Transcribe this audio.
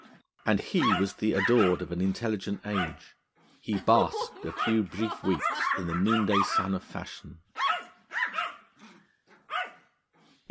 And he was the adored of an intelligent age; he basked a few brief weeks in the noonday sun of fashion.